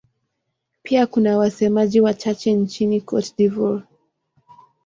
Pia kuna wasemaji wachache nchini Cote d'Ivoire.